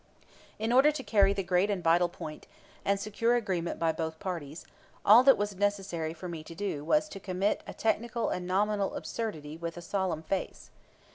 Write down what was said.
In order to carry the great and vital point and secure agreement by both parties, all that was necessary for me to do was to commit a technical and nominal absurdity with a solemn face.